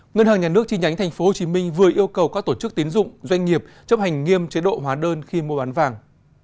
ngân hàng nhà nước chi nhánh tp hcm vừa yêu cầu các tổ chức tiến dụng doanh nghiệp chấp hành nghiêm chế độ hóa đơn khi mua bán vàng